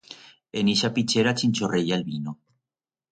En ixa pichera chinchorreya el vino.